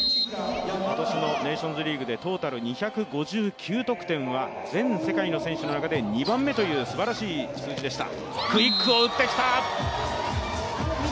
今年のネーションズリーグで、トータル２５９得点は全世界の選手の中で２番目というすばらしい数字でした。